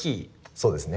そうですね。